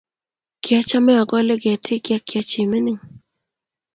kiachame akole ketik ya kiachi mining